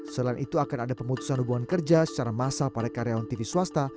selain itu akan ada pemutusan hubungan kerja secara massal pada karyawan tv swasta